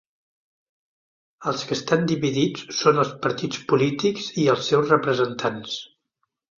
Els que estan dividits són els partits polítics i els seus representants.